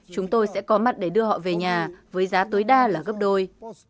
chúng tôi sẽ có mặt để đưa họ về nhà với giá tối đa là gấp đôi